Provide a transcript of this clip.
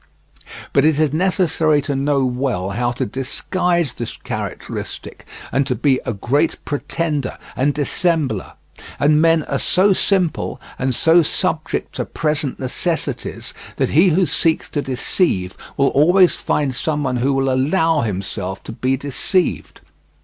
But it is necessary to know well how to disguise this characteristic, and to be a great pretender and dissembler; and men are so simple, and so subject to present necessities, that he who seeks to deceive will always find someone who will allow himself to be deceived.